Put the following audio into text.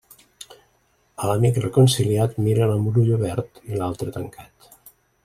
A l'amic reconciliat, mira'l amb un ull obert i l'altre tancat.